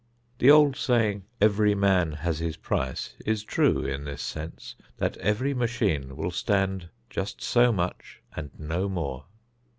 The old saying, "every man has his price," is true in this sense, that every machine will stand just so much and no more.